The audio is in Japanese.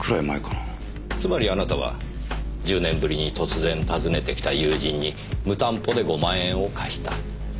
つまりあなたは１０年ぶりに突然訪ねてきた友人に無担保で５万円を貸した。